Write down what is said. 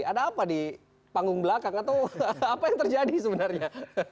ada apa di panggung belakang atau apa yang terjadi sebenarnya